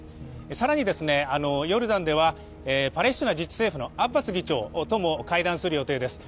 更にヨルダンではパレスチナ自治政府のアッバス議長とも会談する予定です。